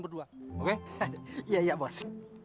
terima kasih mas